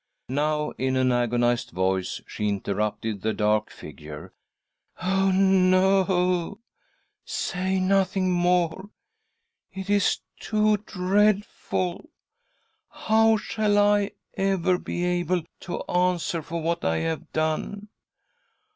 Now, in an agonised voice, she interrupted the dark figure. " Oh, no ! Say nothing more ; it is too dreadful 1 How shall I ever be able fo answer for what I have done